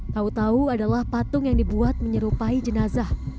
tau tau adalah patung yang dibuat menyerupai jenazah